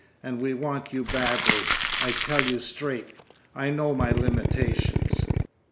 And we want you badly. I tell you straight, I know my limitations.